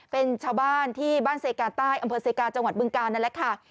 เป็นชาวบ้านที่บ้านเซกาใต้อำเภอเซกาจังหวัดบึงกาลนั่นแหละค่ะ